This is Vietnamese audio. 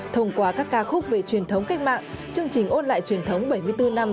thông qua các ca khúc về truyền thống cách mạng chương trình ôn lại truyền thống bảy mươi bốn năm